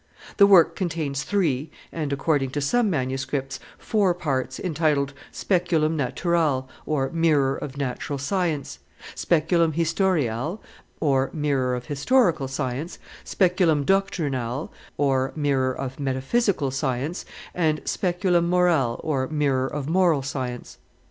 The work contains three, and, according to some manuscripts, four parts, entitled Speculum naturale (Mirror of Natural Science), Speculum historiale (Mirror of Historical Science), Speculum doctrinale (Mirror of Metaphysical Science), and Speculum morale (Mirror of Moral Science).